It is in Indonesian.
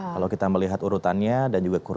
kalau kita melihat urutannya dan juga